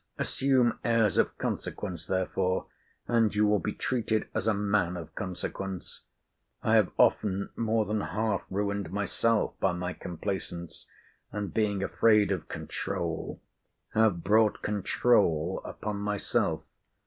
Assume airs of consequence therefore; and you will be treated as a man of consequence. I have often more than half ruined myself by my complaisance; and, being afraid of controul, have brought controul upon myself.